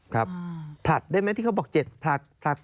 ผลัดได้ไหมที่เขาบอก๗ผลัด